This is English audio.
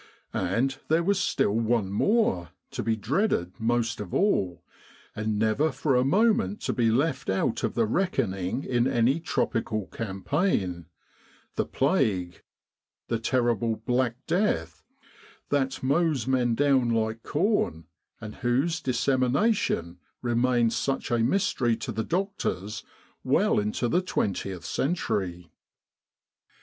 And there was still one more, to be dreaded most of all, and never for a moment to be left out of the reckoning in any tropical campaign the Plague the terrible Black Death, that mows men down like corn, and whose dissemination remained such a mystery to the doctors well into the twentieth century.